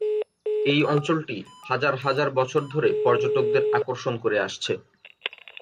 এই অঞ্চলটি হাজার হাজার বছর ধরে পর্যটকদের আকর্ষণ করে আসছে।